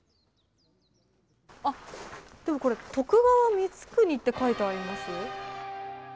あっ、でもこれ、徳川光圀って書いてありますよ。